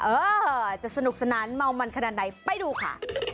เออจะสนุกสนานเมามันขนาดไหนไปดูค่ะ